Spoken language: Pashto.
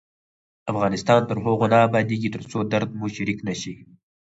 افغانستان تر هغو نه ابادیږي، ترڅو درد مو شریک نشي.